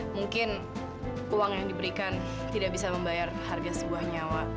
mungkin uang yang diberikan tidak bisa membayar harga sebuah nyawa